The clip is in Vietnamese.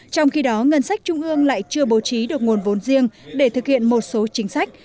trong khi đó ngân sách trung ương lại chưa bố trí được nguồn vốn riêng để thực hiện một số chính sách